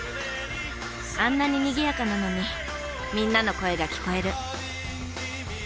あんなに賑やかなのにみんなの声が聞こえる。